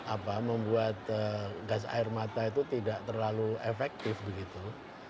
apa membuat gas air mata itu tidak terlalu efektif begitu